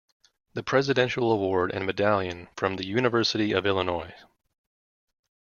The Presidential Award and Medallion from the University of Illinois.